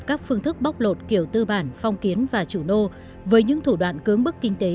các phương thức bóc lột kiểu tư bản phong kiến và chủ nô với những thủ đoạn cướng bức kinh tế